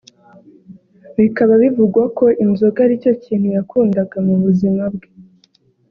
bikaba bivugwa ko inzoga aricyo kintu yakundaga mu buzima bwe